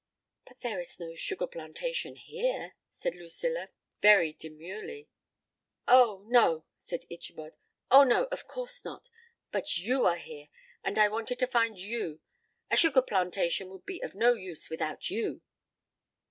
"But there is no sugar plantation here," said Lucilla, very demurely. "Oh, no," said Ichabod, "oh, no, of course not; but you are here, and I wanted to find you; a sugar plantation would be of no use without you."